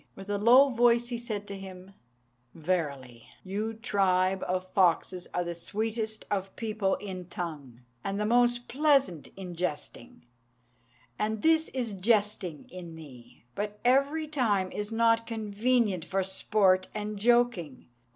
With a low voice he said to him, "Verily, you tribe of foxes are the sweetest of people in tongue, and the most pleasant in jesting, and this is jesting in thee; but every time is not convenient for sport and joking."